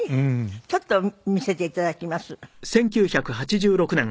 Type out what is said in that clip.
ちょっと見せていただきます。